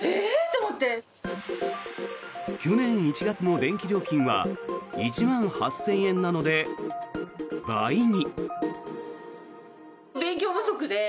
去年１月の電気料金は１万８０００円なので倍に。